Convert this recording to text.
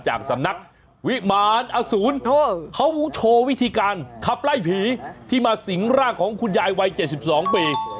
จากสำนักวิมารอสูรเขาโชว์วิธีการขับไล่ผีที่มาสิงร่างของคุณยายวัย๗๒ปี